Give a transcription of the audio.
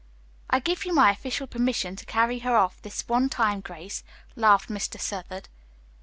"I give you my official permission to carry her off, this one time, Grace," laughed Mr. Southard.